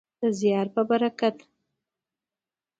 د زیار په برکت.